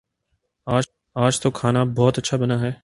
آج تو کھانا بہت اچھا بنا ہے